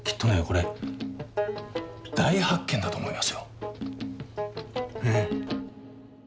これ大発見だと思いますよ。